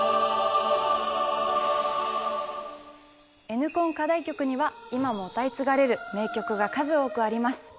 Ｎコン課題曲には今も歌い継がれる名曲が数多くあります。